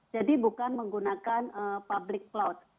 jadi bukan menggunakan public cloud